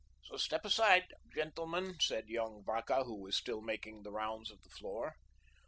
"Please step aside, gentlemen," said young Vacca, who was still making the rounds of the floor.